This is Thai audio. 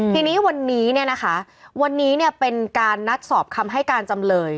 ทีนี้วันนี้เนี่ยนะคะวันนี้เป็นการนัดสอบคำให้การจำเลย